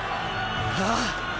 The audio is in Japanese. ああ！